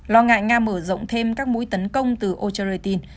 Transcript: lo ngại nga mở rộng thêm các mũi tấn công từ ocherratin